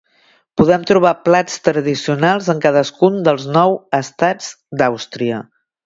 Podem trobar plats tradicionals en cadascun dels nou estats d'Àustria.